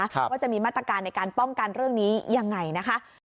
ว่าจะมีมาตรการในการป้องกันเรื่องนี้ยังไงนะคะ